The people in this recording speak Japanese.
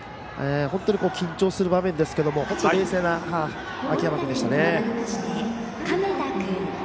本当に緊張する場面ですけど冷静な秋山君でしたね。